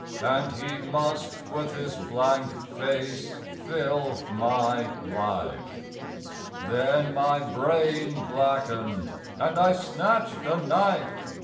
And he must with his blank face fill my life Then my brain blackened; and I snatched a knife.